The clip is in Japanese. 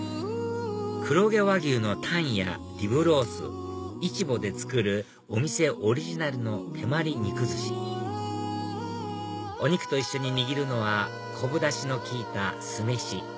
黒毛和牛のタンやリブロースイチボで作るお店オリジナルの手毬肉寿司お肉と一緒ににぎるのは昆布ダシの効いた酢飯